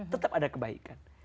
tetap ada kebaikan